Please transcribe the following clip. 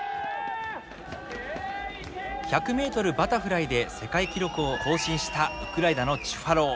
１００ｍバタフライで世界記録を更新したウクライナのチュファロウ。